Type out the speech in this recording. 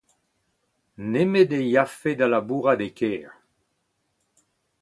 Nemet e yafe da labourat e kêr.